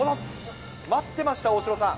待ってました、大城さん。